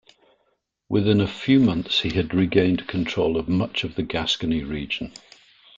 Within a few months, he had regained control of much of the Gascony region.